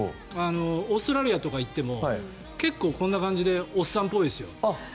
オーストラリアとか行っても結構、こんな感じでおっさんっぽいですよ。